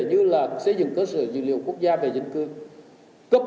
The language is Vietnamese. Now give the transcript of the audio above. như là xây dựng cơ sở dự liệu quốc gia về dân cư